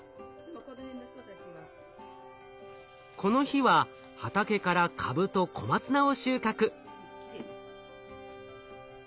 この日は畑からカブと小松菜を収穫。